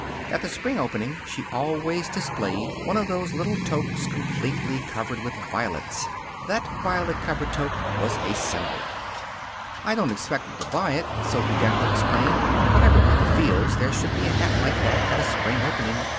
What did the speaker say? At the spring opening she always displayed one of those little toques completely covered with violets. That violet covered toque was a symbol. "I don't expect 'em to buy it," Sophy Decker explained. "But everybody feels there should be a hat like that at a spring opening.